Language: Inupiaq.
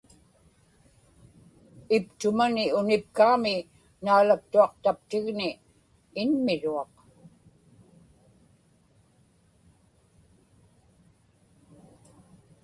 iptumani unipkaami naalaktuaqtaptigni inmiruaq